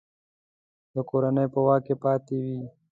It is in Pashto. د کورنۍ په واک کې پاته وي.